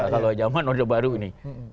kalau zaman udah baru nih